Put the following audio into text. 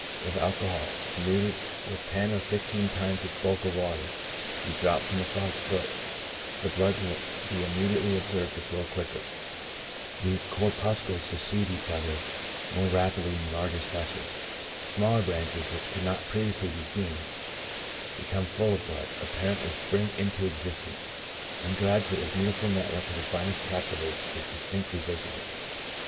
If alcohol^ diluted with ten or fifteen times its bulk of water, be dropped on the frog's foot, the blood will be immediately observed to flow quicker; the corpuscles succeed each other more rapidlv in the largest vessels ; smajler branches, which could not previously be seen, becoming full of blood, apparently spring into exist ence, and gradually a beautiful network of the finest capil laries is distinctly visible.